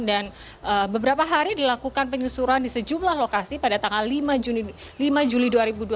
dan beberapa hari dilakukan penyusuran di sejumlah lokasi pada tanggal lima juli dua ribu dua puluh tiga